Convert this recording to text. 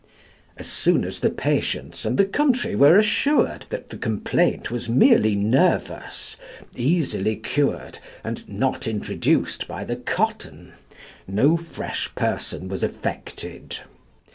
As soon as the patients and the country were assured that the complaint was merely nervous, easily cured, and not introduced by the cotton, no fresh person was affected.